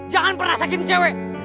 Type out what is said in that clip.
jangan pernah sakitin cewek